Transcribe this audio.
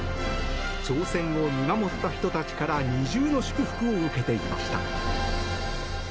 挑戦を見守った人たちから二重の祝福を受けていました。